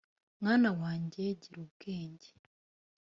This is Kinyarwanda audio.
mwana wanjye gira ubwenge